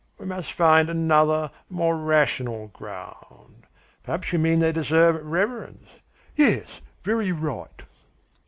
We must find another, more rational ground. Perhaps you mean they deserve reverence?" "Yes, very right."